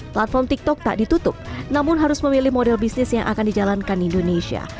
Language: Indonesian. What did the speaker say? platform tiktok tak ditutup namun harus memilih model bisnis yang akan dijalankan indonesia